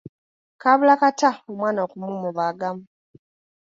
Kaabula kata omwana okumumubaagamu!